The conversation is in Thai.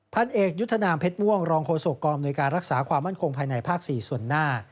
พันเอกยุทธนามเพชรม่วงรองโฆษกองอำนวยการรักษาความมั่นคงภายในภาค๔ส่วนหน้า